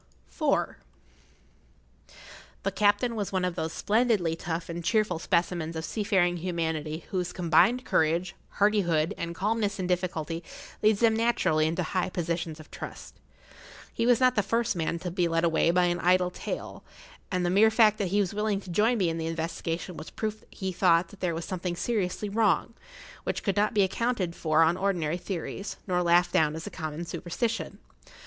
[Pg 57] IV. The captain was one of those splendidly tough and cheerful specimens of seafaring humanity whose combined courage, hardihood, and calmness in difficulty leads them naturally into high positions of trust. He was not the man to be led away by an idle tale, and the mere fact that he was willing to join me in the investigation was proof that he thought there was something seriously wrong, which could not be accounted for on ordinary theories, nor laughed down as a common superstition.